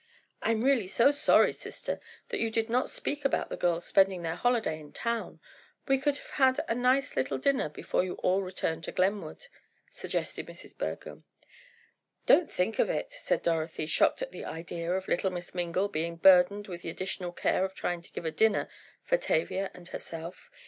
"I'm really so sorry, sister, that you did not speak about the girls spending their holiday in town. We could have a nice little dinner before you all return to Glenwood," suggested Mrs. Bergham. "Don't think of it," said Dorothy, shocked at the idea of little Miss Mingle being burdened with the additional care of trying to give a dinner for Tavia and herself.